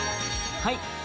はい。